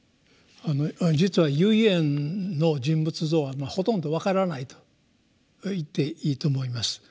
実は唯円の人物像はほとんど分からないと言っていいと思います。